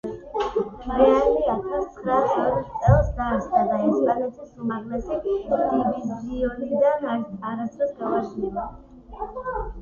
რეალი ათას ცხრაას ორ წელს დაარსდა და ესპანეთის უმაღლესი დივიზიონიდან არასდროს გავარდნილა.